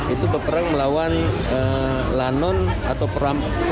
itu berperang melawan lanon atau perampokan